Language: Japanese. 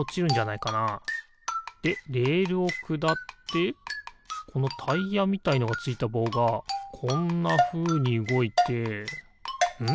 でレールをくだってこのタイヤみたいのがついたぼうがこんなふうにうごいてん？